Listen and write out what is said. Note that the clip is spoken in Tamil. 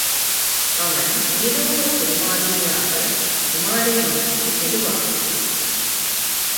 அவன் ஏதோ ஒரு புது மாதிரியாக உமாரை நோக்கி மெதுவாகச் சிரித்தான்.